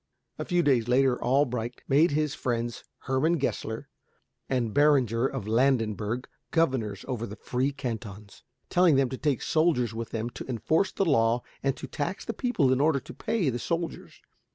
A few days later Albrecht made his friends Hermann Gessler and Beringer of Landenberg governors over the free cantons, telling them to take soldiers with them to enforce the law and to tax the people in order to pay the soldiers.